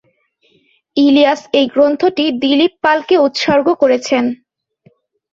ইলিয়াস এই গ্রন্থটি দিলীপ পালকে উৎসর্গ করেছেন।